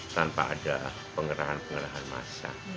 tanpa ada pengerahan pengerahan massa